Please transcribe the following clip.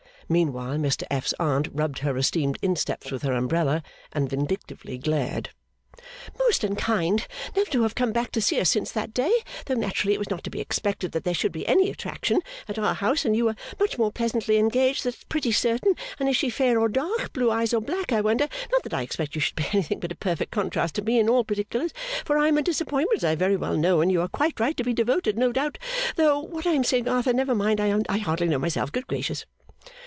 Meanwhile, Mr F.'s Aunt rubbed her esteemed insteps with her umbrella, and vindictively glared. 'Most unkind never to have come back to see us since that day, though naturally it was not to be expected that there should be any attraction at our house and you were much more pleasantly engaged, that's pretty certain, and is she fair or dark blue eyes or black I wonder, not that I expect that she should be anything but a perfect contrast to me in all particulars for I am a disappointment as I very well know and you are quite right to be devoted no doubt though what I am saying Arthur never mind I hardly know myself Good gracious!